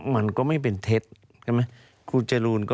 มันก็ไม่เป็นเท็จ